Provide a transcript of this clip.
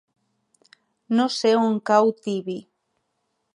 No sé on cau Tibi.